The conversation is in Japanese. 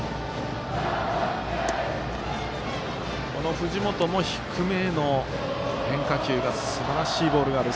藤本も低めの変化球がすばらしいボールがある。